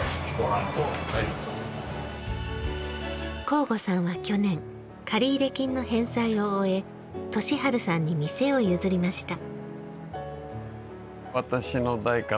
向後さんは去年、借入金の返済を終え稔晴さんに店を譲りました。